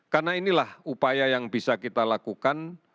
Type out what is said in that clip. karena inilah upaya yang bisa kita lakukan